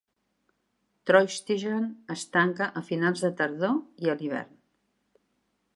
"Trollstigen" es tanca a finals de tardor i a l'hivern.